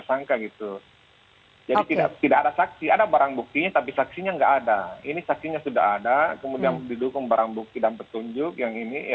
jadi tidak ada saksi ada barang buktinya tapi saksinya tidak ada ini saksinya sudah ada kemudian didukung barang bukti dan petunjuk yang ini